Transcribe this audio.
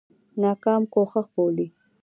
ناکام کوښښ بولي.